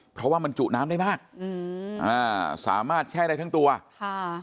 เพราะว่ามันจุน้ำได้มากอืมอ่าสามารถแช่ได้ทั้งตัวค่ะ